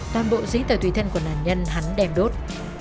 toàn bộ giấy tờ tùy thân của nạn nhân hắn đem đốt